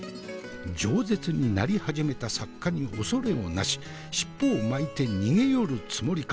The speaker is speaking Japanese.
じょう舌になり始めた作家に恐れをなし尻尾を巻いて逃げよるつもりか？